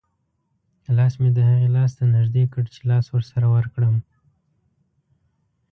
لاس مې د هغې لاس ته نږدې کړ چې لاس ورسره ورکړم.